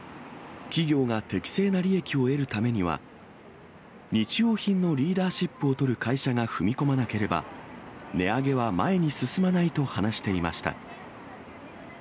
企業が適正な利益を得るためには、日用品のリーダーシップをとる会社が踏み込まなければ、値上げは前に進まないと話していました。